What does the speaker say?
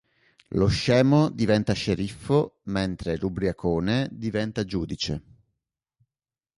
Lo scemo diventa sceriffo, mentre l'ubriacone diventa giudice.